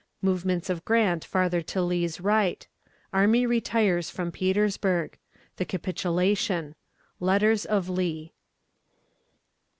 Movements of Grant farther to Lee's right. Army retires from Petersburg. The Capitulation. Letters of Lee.